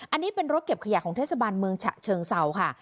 อันนี้เป็นรถเก็บขยะของเทศบาลเมืองฉะเชิงเศร้าค่ะ